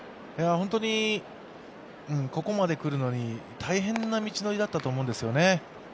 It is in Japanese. ここまで来るのに大変な道のりだったと思うんですよね。